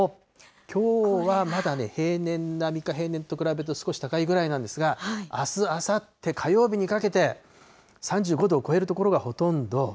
きょうはまだね、平年並みか、平年と比べると少し高いぐらいなんですが、あす、あさって、火曜日にかけて、３５度を超える所がほとんど。